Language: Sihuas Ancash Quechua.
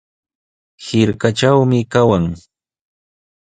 Hirkatrawmi kawan.